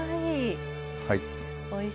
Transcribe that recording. はい。